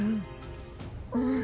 うん。